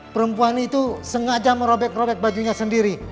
perempuan itu sengaja merobek robek bajunya sendiri